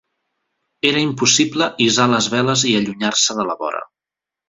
Era impossible hissar les veles i allunyar-se de la vora.